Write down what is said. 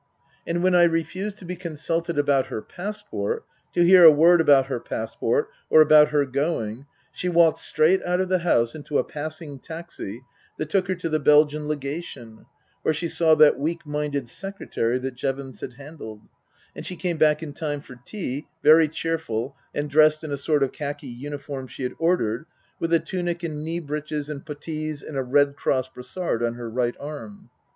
And when I refused to be consulted about her passport, to hear a word about her passport or about her going, she walked straight out of the house into a passing taxi that took her to the Belgian Legation, where she saw that weak minded secretary that Jevons had handled ; and she came back in time for tea, very cheerful and dressed in a sort of khaki uniform she had ordered, with a tunic and knee breeches and puttees and a Red Cross brassard on her right arm.